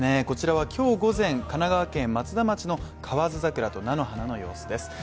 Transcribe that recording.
こちらは今日午前、神奈川県松田町の河津桜と菜の花の様子です。